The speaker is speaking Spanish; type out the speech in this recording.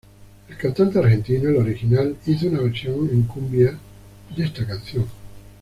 El cantante argentino El Original hizo una versión en cumbia de esta canción.